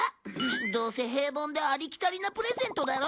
どうせ平凡でありきたりなプレゼントだろ？